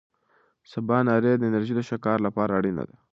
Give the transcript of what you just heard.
سباناري د انرژۍ د ښه کار لپاره اړینه ده.